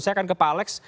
saya akan ke pak alex